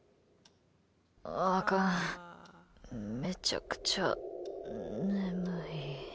あかん、めちゃくちゃ眠い。